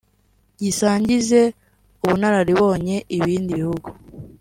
gisangize ubunararibonye ibindi bihugu